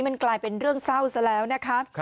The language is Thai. มันกลายเป็นเรื่องเศร้าซะแล้วนะคะ